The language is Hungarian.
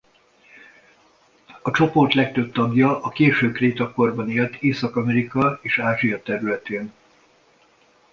A csoport legtöbb tagja a késő kréta korban élt Észak-Amerika és Ázsia területén.